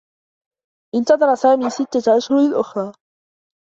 انتظر سامي ستّة أشهر أخرى.